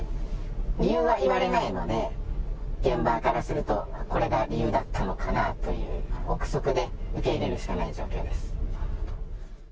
理由は言われないので、現場からすると、これが理由だったのかなという臆測で受け入れるしかない状況です。